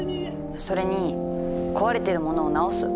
それに壊れてるものをなおす。